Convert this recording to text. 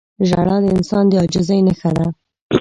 • ژړا د انسان د عاجزۍ نښه ده.